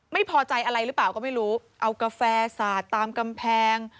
ไม่พอใจอะไรหรือเปล่าก็ไม่รู้เอากาแฟสาดตามกำแพง